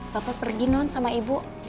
bapak pergi non sama ibu